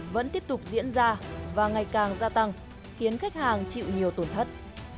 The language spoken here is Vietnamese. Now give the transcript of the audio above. vẫn tiếp tục diễn ra và ngày càng gia tăng khiến khách hàng chịu nhiều tổn thất